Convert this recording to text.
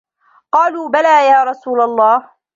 قَالُوا بَلَى يَا رَسُولَ اللَّهِ